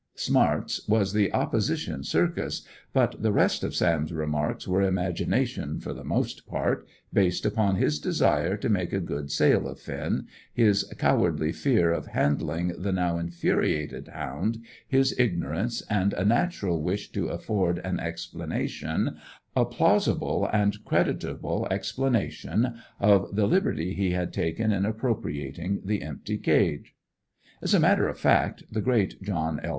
"Smart's" was the opposition circus; but the rest of Sam's remarks were imagination for the most part, based upon his desire to make a good sale of Finn, his cowardly fear of handling the now infuriated hound, his ignorance, and a natural wish to afford an explanation, a plausible and creditable explanation, of the liberty he had taken in appropriating the empty cage. As a matter of fact, the great John L.